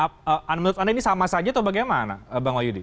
menurut anda ini sama saja atau bagaimana bang wahyudi